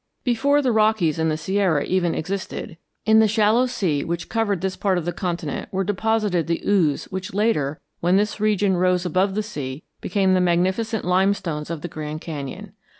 Before the Rockies and the Sierra even existed, in the shallow sea which covered this part of the continent were deposited the ooze which later, when this region rose above the sea, became the magnificent limestones of the Grand Canyon.